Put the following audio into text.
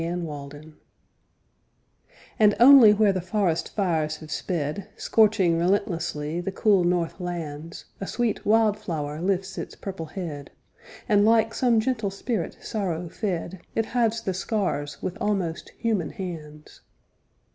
FIRE FLOWERS And only where the forest fires have sped, Scorching relentlessly the cool north lands, A sweet wild flower lifts its purple head, And, like some gentle spirit sorrow fed, It hides the scars with almost human hands.